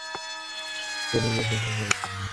আমাকে এখানে নিশ্চয়ই আশা করেননি।